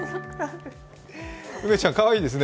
梅ちゃん、かわいいですね。